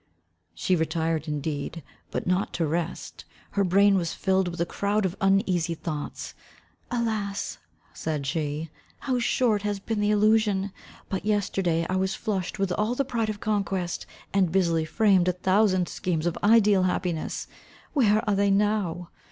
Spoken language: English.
She retired indeed, but not to rest. Her brain was filled with a croud of uneasy thoughts. "Alas," said she, "how short has been the illusion! But yesterday, I was flushed with all the pride of conquest, and busily framed a thousand schemes of ideal happiness Where are they now?